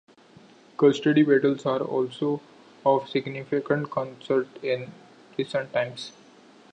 Custody battles are also of significant concern in recent times.